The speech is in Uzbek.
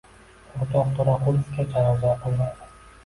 — O’rtoq To‘raqulovga janoza o‘qilmaydi!